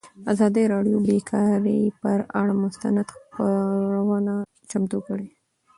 ازادي راډیو د بیکاري پر اړه مستند خپرونه چمتو کړې.